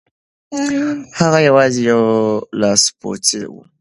هغه یوازې یو لاسپوڅی و.